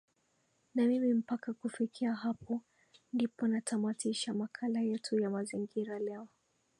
na mimi mpaka kufikia hapo ndipo natamatisha makala yetu ya mazingira leo